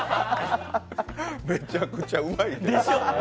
めちゃくちゃうまいね。